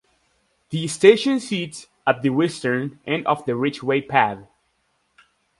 The station sits at the western end of the Ridgeway path.